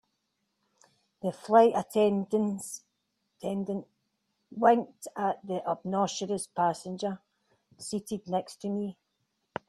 The flight attendant winked at the obnoxious passenger seated next to me.